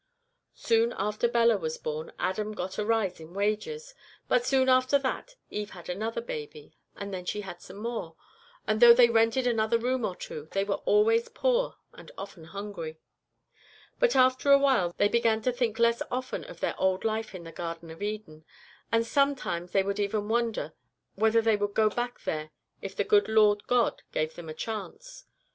"Soon after Bella was born Adam got a rise in wages, but soon after that Eve had another baby; and then she had some more, and though they rented another room or two they were always poor and often hungry. But after a while they began to think less often of their old life in the Garden of Eden, and sometimes they would even wonder whether they would go back there if the good Lord God gave them the chance.